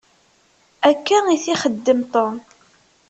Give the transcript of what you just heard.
Akka i t-ixeddem Tom.